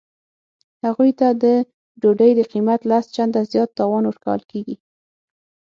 هغوی ته د ډوډۍ د قیمت لس چنده زیات تاوان ورکول کیږي